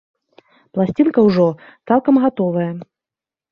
Пласцінка ўжо цалкам гатовая.